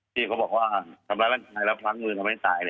ที่เขาบอกว่าทำร้ายร่างกายแล้วพลั้งมือทำให้ตายเลย